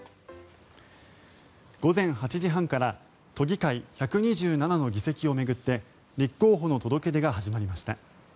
午前８時半から都議会１２７の議席を巡って立候補の届け出が始まりました。